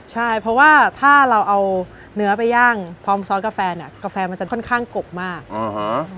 ใช่เพราะว่าถ้าเราเอาเนื้อไปย่างพร้อมซอสกาแฟเนี่ยกาแฟมันจะค่อนข้างกบมากอ่าฮะ